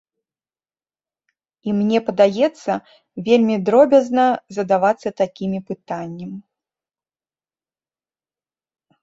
І мне падаецца, вельмі дробязна задавацца такімі пытаннем.